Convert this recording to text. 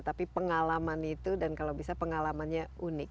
tapi pengalaman itu dan kalau bisa pengalamannya unik